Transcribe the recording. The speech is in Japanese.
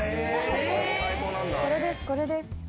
これですこれです。